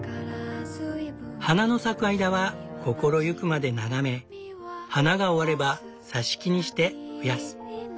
花の咲く間は心ゆくまで眺め花が終われば挿し木にして増やす。